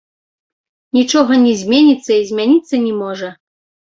Нічога не зменіцца і змяніцца не можа!